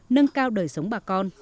nâng cao đời sống bà con